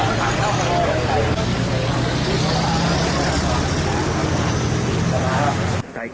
กลับมาก็คือสงสัมภาษาแหล่งของบริษัท